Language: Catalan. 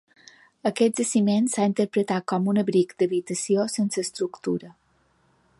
Aquest jaciment s'ha interpretat com un abric d'habitació sense estructura.